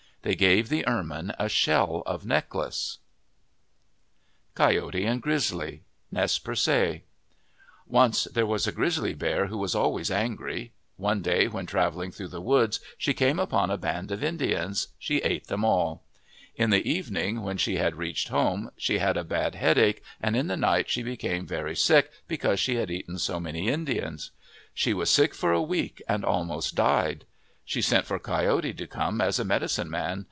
They gave the ermine a shell necklace. MYTHS AND LEGENDS COYOTE AND GRIZZLY Nez Perc'e ONCE there was a grizzly bear who was always angry. One day when travelling through the woods she came upon a band of Indians. She ate them all. In the evening, when she had reached home, she had a bad headache and in the night she became very sick because she had eaten so many Indians. She was sick for a week and almost died. She sent for Coyote to come as a medi cine man.